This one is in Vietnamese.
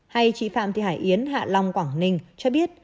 hay chị phạm thị hải yến hạ long quảng ninh cho biết